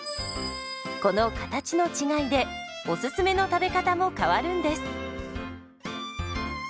この形の違いでおすすめの食べ方も変わるんです。